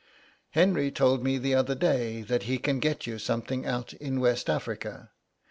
Henry told me the other day that he can get you something out in West Africa.